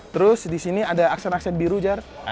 terus disini ada aksen aksen biru jar